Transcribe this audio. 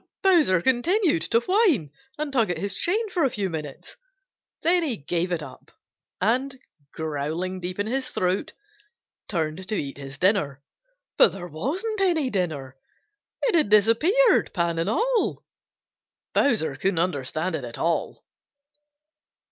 Bowser continued to whine and tug at his chain for a few minutes. Then he gave it up and, growling deep in his throat, turned to eat his dinner. But there wasn't any dinner! It had disappeared, pan and all! Bowser couldn't understand it at all.